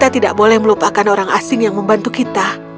kita tidak boleh melupakan orang asing yang membantu kita